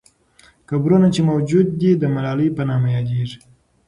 قبرونه چې موجود دي، د ملالۍ په نامه یادیږي.